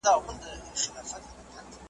قتلول یې یوله بله په زرګونه `